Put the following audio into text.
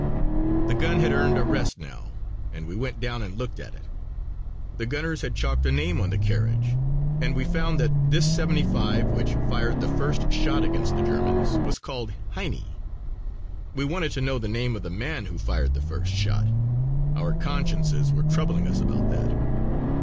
The gun had earned a rest now and we went down and looked at it. The gunners had chalked a name on the carriage and we found that this seventy five which fired the first shot against the Germans was called Heinie. We wanted to know the name of the man who fired the first shot. Our consciences were troubling us about that.